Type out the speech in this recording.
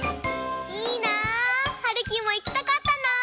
いいな！はるきもいきたかったな！